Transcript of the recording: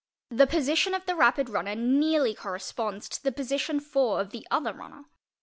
The posi tion of the rapid runner nearly corresponds to the position IV. of the other runner.